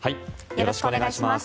よろしくお願いします。